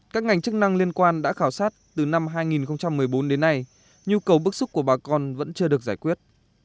các ngành chức năng liên quan đã khảo sát từ năm hai nghìn một mươi bốn đến nay nhu cầu bức xúc của bà con vẫn chưa được giải quyết